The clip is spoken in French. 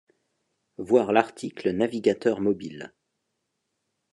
Voir l'article Navigateur mobile.